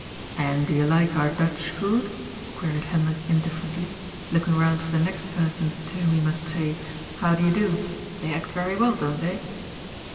" And do you like our Dutch food ?" queried Hendrik indifferently, looking round for the next person to whom he must say, " How do you do ?"" They act very well, don't they?"